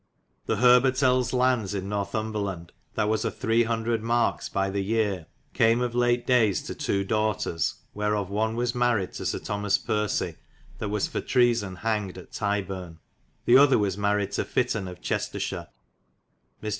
The Herbotelles landes in Northumbreland, that was a 300. markes by the yere, cam of late dayes to 2. doughters, wherof the one was maried to Syr Thomas Percy, that was for treason hangid at Tiburne. The other was maried to Fitton of Chestershir. Mr.